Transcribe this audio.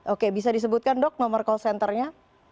oke bisa disebutkan dok nomor call center nya